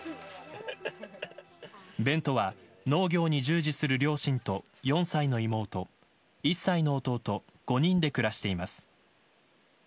ベントは農業に従事する両親と４歳の妹１歳の弟５人で暮らしています。